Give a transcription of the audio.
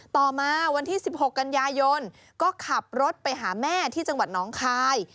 ต่อมาวันที่๑๖กันยายนก็ขับรถไปหาแม่ที่จังหวัดน้องคาย